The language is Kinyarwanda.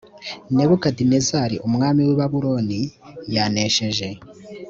nebukadinezari umwami w i babuloni yanesheje